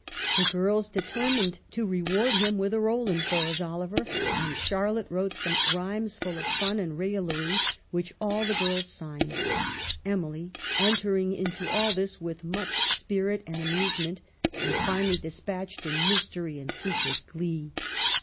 The girls determined to reward him with a Rowland for his Oliver, and Charlotte wrote some rhymes full of fun and raillery which all the girls signed — Emily enter ing into all this with much spirit and amusement — and finally despatched in mystery and secret glee.